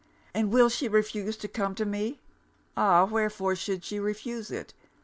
And will she refuse to come to me? Ah! wherefore should she refuse it?